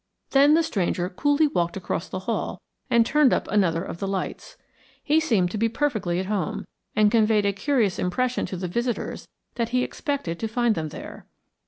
Then the stranger coolly walked across the hall and turned up another of the lights. He seemed to be perfectly at home, and conveyed a curious impression to the visitors that he expected to find them there.